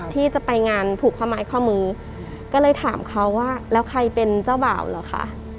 ที่จะไปงานผูกข้อไม้ข้อมือก็เลยถามเขาว่าแล้วใครเป็นเจ้าบ่าวเหรอคะ